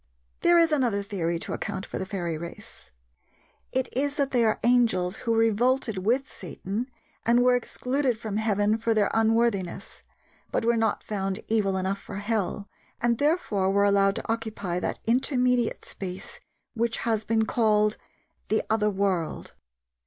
There is another theory to account for the fairy race. It is that they are angels who revolted with Satan and were excluded from heaven for their unworthiness, but were not found evil enough for hell, and therefore were allowed to occupy that intermediate space which has been called "the Other World."